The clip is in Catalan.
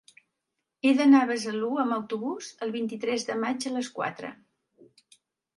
He d'anar a Besalú amb autobús el vint-i-tres de maig a les quatre.